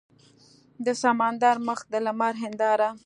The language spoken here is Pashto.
د سمندر مخ د لمر هینداره